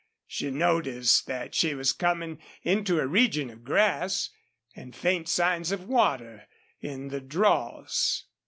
She noticed that she was coming into a region of grass, and faint signs of water in the draws.